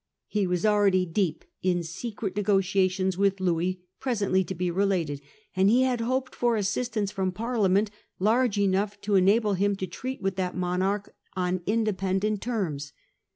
He was already deep in secret negotiation with Louis, presently to be related, and he had hoped for assistance from Parliament large enough to enable him to treat with that monarch on independent terms.